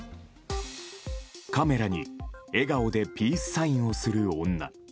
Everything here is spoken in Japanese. カメラに笑顔でピースサインをする女。